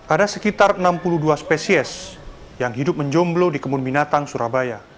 ada sekitar enam puluh dua spesies yang hidup menjomblo di kebun binatang surabaya